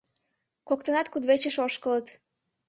Коктынат кудвечыш ошкылыт.